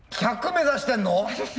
１００目指してんの？